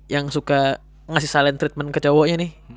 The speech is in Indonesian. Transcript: yang suka ngasih silent treatment ke cowoknya nih